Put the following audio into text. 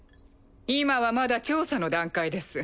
今はまだ調査の段階です。